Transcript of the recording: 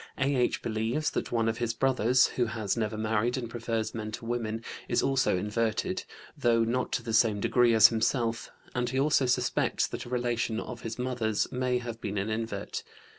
A.H. believes that one of his brothers, who has never married and prefers men to women, is also inverted, though not to the same degree as himself, and he also suspects that a relation of his mother's may have been an invert.